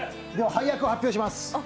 配役を発表します。